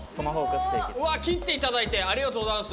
うわ切っていただいてありがとうございます。